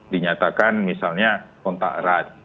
dinyatakan misalnya kontak erat